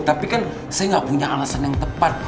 tapi kan saya nggak punya alasan yang tepat